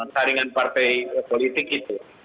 saringan partai politik itu